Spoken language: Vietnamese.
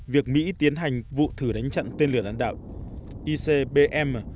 việc mỹ tiến hành vụ thử đánh chặn tên lửa đạn đạo icbm